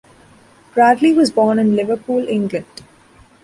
Bradley was born in Liverpool, England.